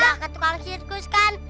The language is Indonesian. ya ke tukang sirkus kan